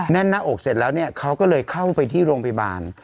แน่นหน้าอกเสร็จแล้วเนี่ยเขาก็เลยเข้าไปที่โรงพยาบาล